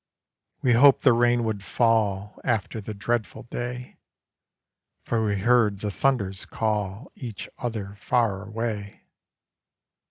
We hoped the rain would fall After the dreadful day, For we heard the thunders call Each other far away.